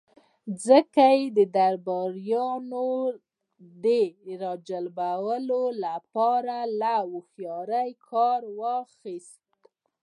ځکه يې د درباريانو د را جلبولو له پاره له هوښياری کار واخيست.